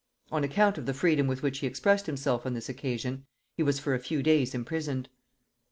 On account of the freedom with which he expressed himself on this occasion, he was for a few days imprisoned.